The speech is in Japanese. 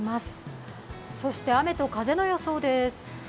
そして雨と風の予想です。